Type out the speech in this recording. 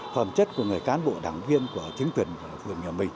phẩm chất của người cán bộ đảng viên của chính quyền phường nhà mình